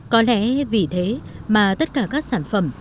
có lẽ vì thế mà tất cả các sản phẩm